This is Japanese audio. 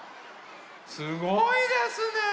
すごいですね。